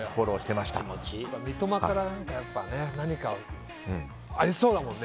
やっぱり、三笘から何か、ありそうだもんね。